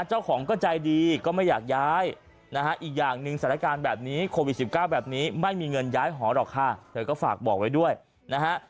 เจ้าของก็ใจดีก็ไม่อยากย้ายนะฮะอีกอย่างหนึ่งสถานการณ์แบบนี้โควิด๑๙แบบนี้ไม่มีเงินย้ายหอหรอกค่ะเธอก็ฝากบอกไว้ด้วยนะฮะ